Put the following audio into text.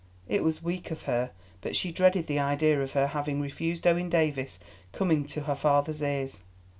It was weak of her, but she dreaded the idea of her having refused Owen Davies coming to her father's ears.